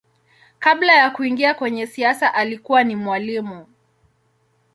Kabla ya kuingia kwenye siasa alikuwa ni mwalimu.